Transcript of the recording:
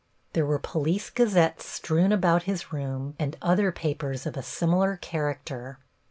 There were Police Gazettes strewn about his room and other papers of a similar character.